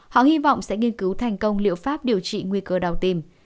họ hy vọng sẽ nghiên cứu thành công liệu pháp điều trị nguy cơ đau tim